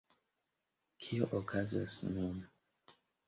Kio okazas nun?